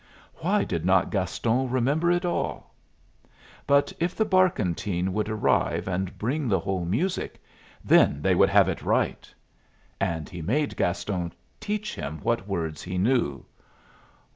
Why did not Gaston remember it all? But if the barkentine would arrive and bring the whole music, then they would have it right! And he made Gaston teach him what words he knew.